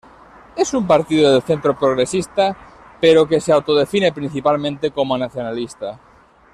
Es un partido del centro progresista pero que se autodefine principalmente como nacionalista.